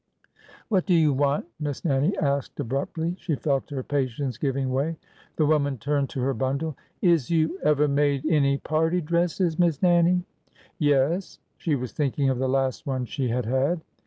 ''What do you want?" Miss Nannie asked abruptly. She felt her patience giving way. The woman turned to her bundle. " Is you ever made any party dresses. Miss Nannie?" " Yes." She was thinking of the last one she had had.